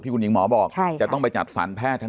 ที่คุณหิวหมอบอกจะต้องไปจับสารแพทย์